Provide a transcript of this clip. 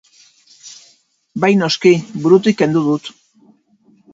Bai noski, burutik kendu dut.